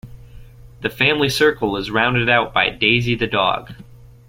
The family circle is rounded out by Daisy the dog.